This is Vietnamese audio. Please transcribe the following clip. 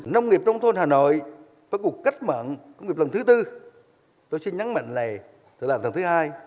nông nghiệp nông thôn hà nội phải cục cách mạng công nghiệp lần thứ tư